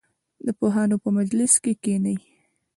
د پوهانو په مجلس کې کښېنئ.